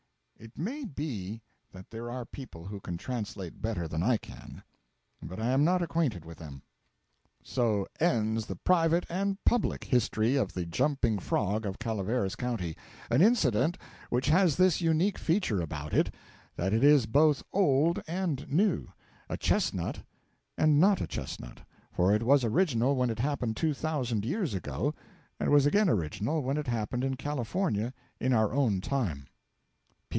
It may be that there are people who can translate better than I can, but I am not acquainted with them. So ends the private and public history of the Jumping Frog of Calaveras County, an incident which has this unique feature about it that it is both old and new, a 'chestnut' and not a 'chestnut;' for it was original when it happened two thousand years ago, and was again original when it happened in California in our own time.